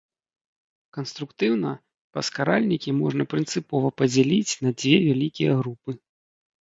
Канструктыўна паскаральнікі можна прынцыпова падзяліць на дзве вялікія групы.